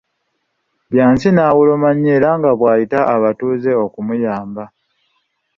Byansi n'awoloma nnyo era nga bw'ayita abatuuze okumuyamba!